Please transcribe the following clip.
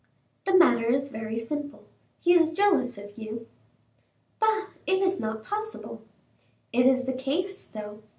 "The matter is very simple, he is jealous of you." "Bah! it is not possible." "It is the case, though."